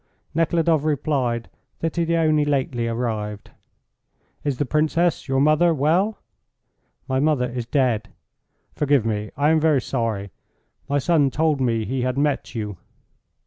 Nekhludoff replied that he had only lately arrived. "Is the Princess, your mother, well?" "My mother is dead." "Forgive me; I am very sorry. My son told me he had met you."